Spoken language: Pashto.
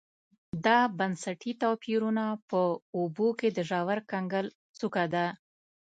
دا بنسټي توپیرونه په اوبو کې د ژور کنګل څوکه ده